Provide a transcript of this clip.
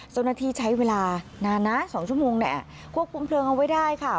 เจ้าหน้าที่ใช้เวลานานนะ๒ชั่วโมงควบคุมเพลิงเอาไว้ได้ค่ะ